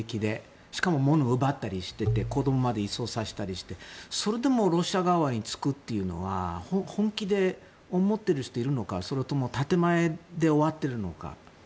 しかも物を奪ったりしていて子供まで移送させたりしてそれでもロシア側につくというのは本気で思ってる人がいるのかそれとも建前で終わっているのか。